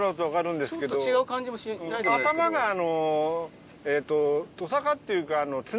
頭がトサカっていうか。